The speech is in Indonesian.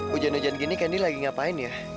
hujan hujan gini kandi lagi ngapain ya